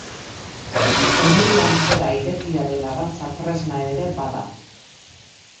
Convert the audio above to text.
Onil antzera irekia den arrantza-tresna ere bada.